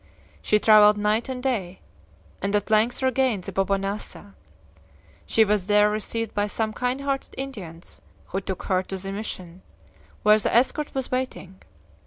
She traveled night and day, and at length regained the Bobonasa. She was there received by some kind hearted Indians, who took her to the missions, where the escort was waiting.